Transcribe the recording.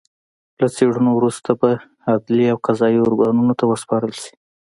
له څېړنو وروسته به عدلي او قضايي ارګانونو ته وسپارل شي